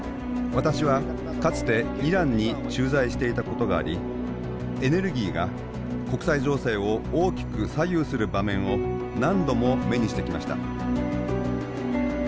私はかつてイランに駐在していたことがありエネルギーが国際情勢を大きく左右する場面を何度も目にしてきました。